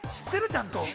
ちゃんと。